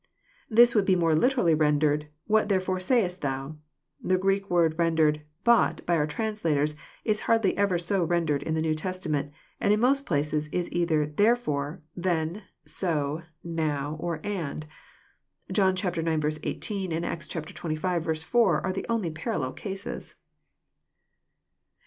] This would be more literally ren dered, "What therefore sayest thou?" The Greek word ren dered " but " by our translators is hardly ever so rendered in the New Testament; and in most places Is either therefore," "then," " so," " now," or " and." John ix. 18, and Acts xxv. 4, are the only parallel cases.